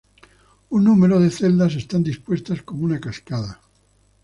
Un número de celdas están dispuestas como una cascada.